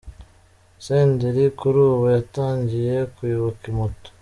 Senderi kuri ubu yatangiye kuyoboka moto.